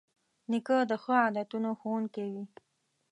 نیکه د ښو عادتونو ښوونکی وي.